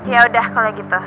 yaudah kalau gitu